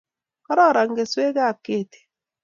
Karoron keswek ab keti